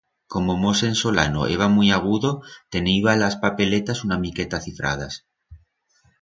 Como Mosen Solano eba muit agudo, teniba las papeletas una miqueta cifradas.